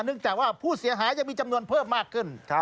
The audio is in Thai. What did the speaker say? จากว่าผู้เสียหายจะมีจำนวนเพิ่มมากขึ้น